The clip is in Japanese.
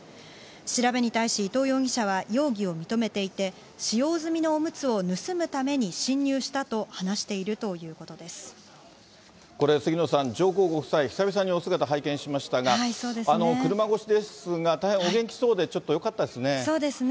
調べに対し、伊藤容疑者は容疑を認めていて、使用済みのおむつを盗むために侵入したと話しているということでこれ、杉野さん、上皇ご夫妻、久々にお姿拝見しましたが、車越しですが、大変お元気そうでちょっとよかったですね。